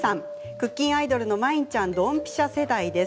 「クッキンアイドル」のまいんちゃんドンピシャ世代です。